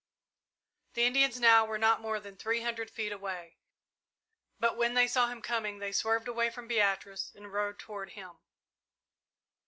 The Indians now were not more than three hundred feet away, but when they saw him coming they swerved away from Beatrice and rode toward him.